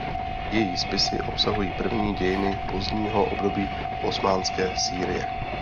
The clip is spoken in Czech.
Její spisy obsahují první dějiny pozdního období osmanské Sýrie.